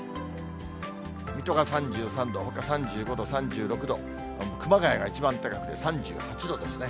水戸が３３度、ほか３５度、３６度、熊谷が一番高くて３８度ですね。